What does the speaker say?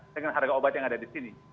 dengan harga obat yang ada di sini